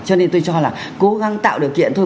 cho nên tôi cho là cố gắng tạo điều kiện thôi